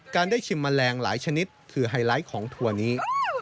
ได้ชิมแมลงหลายชนิดคือไฮไลท์ของถั่วนี้